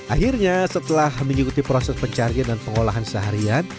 akhirnya setelah mengikuti proses pencarian dan pengolahan seharian